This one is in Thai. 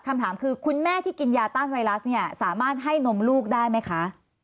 คำถามคือคุณแม่ที่กินยาต้านไวรัสเนี่ยสามารถให้นมลูกได้ไหมคะ